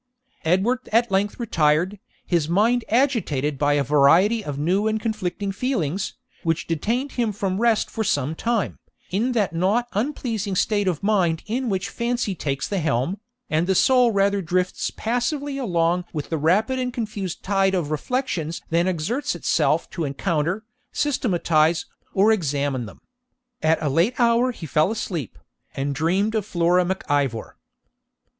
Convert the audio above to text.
Edward at length retired, his mind agitated by a variety of new and conflicting feelings, which detained him from rest for some time, in that not unpleasing state of mind in which fancy takes the helm, and the soul rather drifts passively along with the rapid and confused tide of reflections than exerts itself to encounter, systematise, or examine them. At a late hour he fell asleep, and dreamed of Flora Mac Ivor.